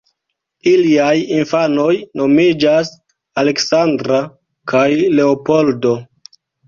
Iliaj infanoj nomiĝas Aleksandra kaj Leopoldo.